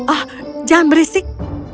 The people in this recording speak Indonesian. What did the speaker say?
ah jangan berisik